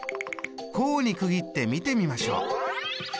項に区切って見てみましょう！